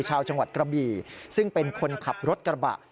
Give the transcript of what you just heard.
ชาวจังหวัดกระบี่ซึ่งเป็นคนขับรถกระบะ